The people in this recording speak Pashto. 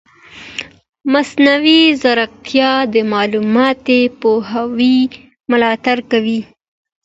مصنوعي ځیرکتیا د معلوماتي پوهاوي ملاتړ کوي.